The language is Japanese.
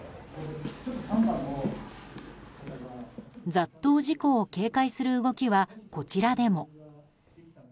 雑踏事故を警戒する動きはこちらでも。